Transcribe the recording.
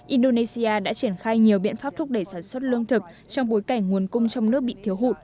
indonesia đã triển khai nhiều biện pháp thúc đẩy sản xuất lương thực trong bối cảnh nguồn cung trong nước bị thiếu hụt